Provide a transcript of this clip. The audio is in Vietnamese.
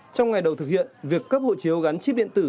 trong ngày đầu thực hiện việc cấp hộ chiếu gắn chip điện tử